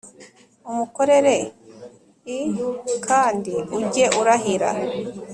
umukorere l kandi ujye urahira